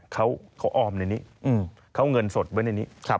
เขาออมในนี้เขาเงินสดไว้ในนี้